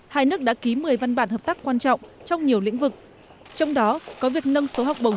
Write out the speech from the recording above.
hai nước đã ký một mươi văn bản hợp tác quan trọng trong nhiều lĩnh vực trong đó có việc nâng số học bổng